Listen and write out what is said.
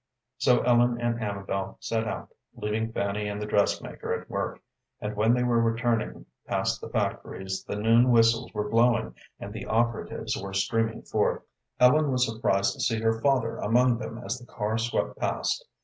So Ellen and Amabel set out, leaving Fanny and the dressmaker at work, and when they were returning past the factories the noon whistles were blowing and the operatives were streaming forth. Ellen was surprised to see her father among them as the car swept past.